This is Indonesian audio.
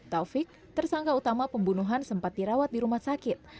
taufik tersangka utama pembunuhan sempat dirawat di rumah sakit